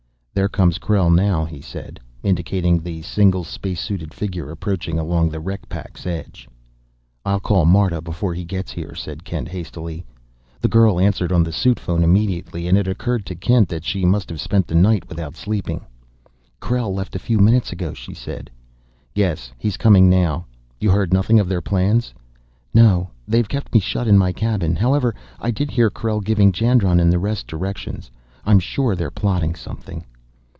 "There comes Krell now," he said, indicating the single space suited figure approaching along the wreck pack's edge. "I'll call Marta before he gets here," said Kent hastily. The girl answered on the suit phone immediately, and it occurred to Kent that she must have spent the night without sleeping. "Krell left a few minutes ago," she said. "Yes, he's coming now. You heard nothing of their plans?" "No; they've kept me shut in my cabin. However, I did hear Krell giving Jandron and the rest directions. I'm sure they're plotting something."